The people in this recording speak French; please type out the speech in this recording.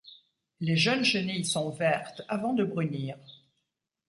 Les jeunes chenilles sont vertes avant de brunir.